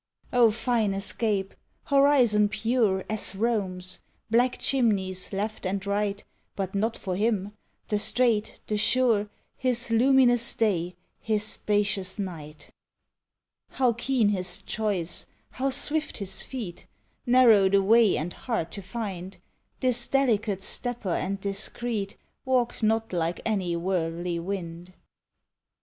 O fine escape, horizon pure As Rome's! Black chimneys left and right, But not for him, the straight, the sure, His luminous day, his spacious night. How keen his choice, how swift his feet! Narrow the way and hard to find! This delicate stepper and discreet Walked not like any worldly wind.